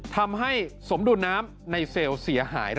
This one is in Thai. ทำให้สมดุลน้ำในเซลล์เสียหาย